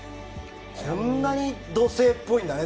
こんなに土星っぽいんだね